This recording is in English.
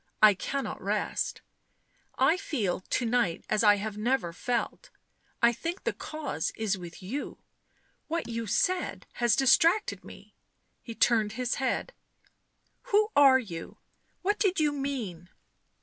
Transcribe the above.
"I cannot rest. I feel to night as I have never felt — I think the cause is with you — what you said has distracted me ;" he turned his head. "Who are you? What did you mean?"